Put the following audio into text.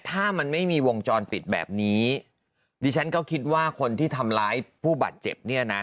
ถ้ามันไม่มีวงจรปิดแบบนี้ดิฉันก็คิดว่าคนที่ทำร้ายผู้บาดเจ็บเนี่ยนะ